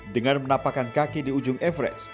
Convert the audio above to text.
dengan menapakkan kaki di ujung everest